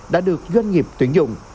đã được doanh nghiệp tuyển dụng